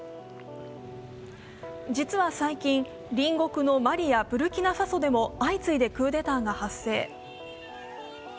実は最近、隣国のマリやブルキナファソでも相次いでクーデターが発生。